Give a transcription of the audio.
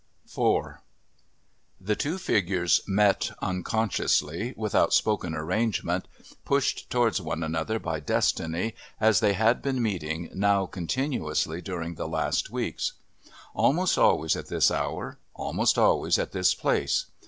IV The two figures met, unconsciously, without spoken arrangement, pushed towards one another by destiny, as they had been meeting now continuously during the last weeks. Almost always at this hour; almost always at this place.